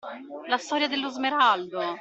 La storia dello smeraldo!